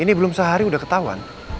ini belum sehari sudah ketahuan